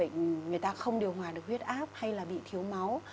người ta không điều hòa được huyết áp hay là bị thiếu máu